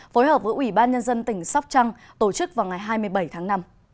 phối hợp với ủy ban nhân dân tỉnh sóc trăng tổ chức vào ngày hai mươi bảy tháng năm